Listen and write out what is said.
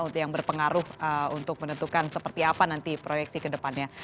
untuk yang berpengaruh untuk menentukan seperti apa nanti proyeksi ke depannya